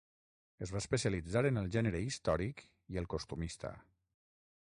Es va especialitzar en el gènere històric i el costumista.